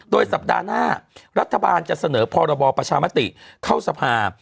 โดยสัปดาห์หน้ารัฐบาลจะเสนอพรบประชามติเข้าสภา